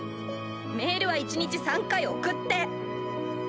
メールは１日３回送って。